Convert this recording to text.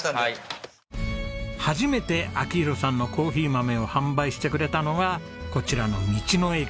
初めて明宏さんのコーヒー豆を販売してくれたのがこちらの道の駅。